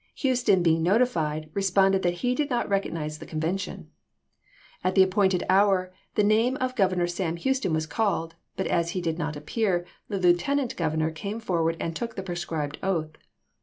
Houston being notified, responded that he did not recognize the conven tion. At the appointed hour the name of Grovernor Sam Houston was called ; but as he did not appear the Lieutenant Grovernor came forward and took New York the prescribed oath.